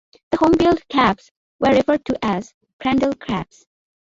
The homebuilt cabs were referred to as Crandall Cabs.